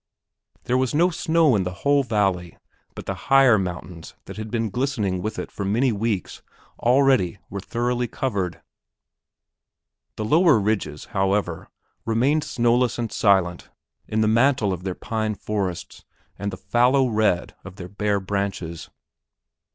There was no snow in the whole valley, but the higher mountains that had been glistening with it for many weeks already were thoroughly covered. The lower ridges, however, remained snowless and silent in the mantle of their pine forests and the fallow red of their bare branches.